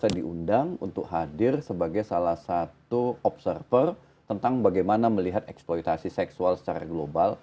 saya diundang untuk hadir sebagai salah satu observer tentang bagaimana melihat eksploitasi seksual secara global